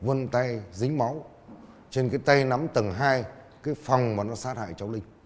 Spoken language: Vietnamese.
vân tay dính máu trên cái tay nắm tầng hai cái phòng mà nó sát hại cháu linh